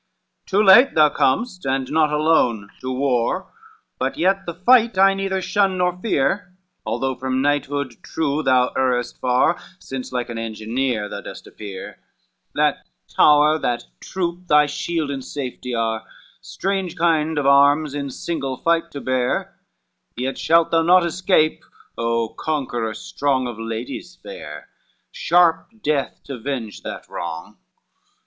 III "Too late thou com'st, and not alone to war, But yet the fight I neither shun nor fear, Although from knighthood true thou errest far, Since like an engineer thou dost appear, That tower, that troop, thy shield and safety are, Strange kind of arms in single fight to bear; Yet shalt thou not escape, O conqueror strong Of ladies fair, sharp death, to avenge that wrong."